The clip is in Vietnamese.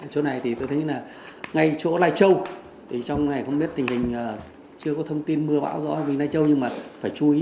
chỗ này thì tôi thấy là ngay chỗ lai châu trong này không biết tình hình chưa có thông tin mưa bão rõ về lai châu nhưng mà phải chú ý